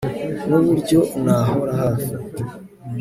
nuburyo nahora hafi